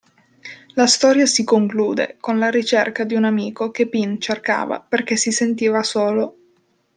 La storia si conclude con la ricerca di un amico che Pin cercava perché si sentiva solo.